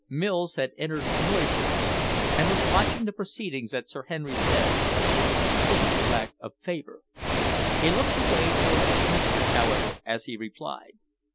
Mills had entered noiselessly, and was watching the proceedings at Sir Henry's desk with a distinct lack of favour. He looked away towards his mistress, however, as he replied.